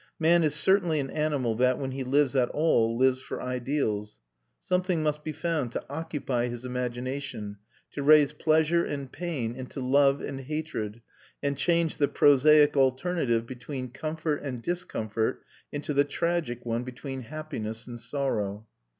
Man is certainly an animal that, when he lives at all, lives for ideals. Something must be found to occupy his imagination, to raise pleasure and pain into love and hatred, and change the prosaic alternative between comfort and discomfort into the tragic one between happiness and sorrow.